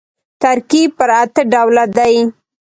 ترکیب پر اته ډوله دئ.